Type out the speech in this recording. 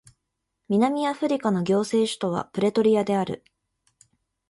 南アフリカの行政首都はプレトリアである